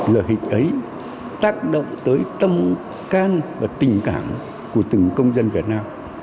lời hình ấy tác động tới tâm can và tình cảm của từng công dân việt nam